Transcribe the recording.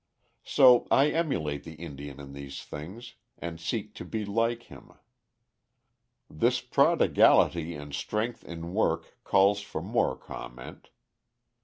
So I emulate the Indian in these things, and seek to be like him. This prodigality and strength in work calls for more comment.